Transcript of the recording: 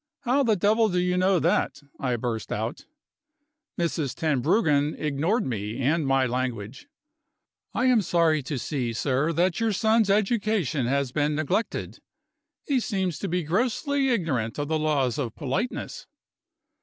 "How the devil do you know that?" I burst out. Mrs. Tenbruggen ignored me and my language. "I am sorry to see, sir, that your son's education has been neglected; he seems to be grossly ignorant of the laws of politeness."